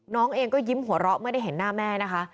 น้องเองก็ยิ้มหัวเราะไม่ได้เห็นหน้าแม่นะคะ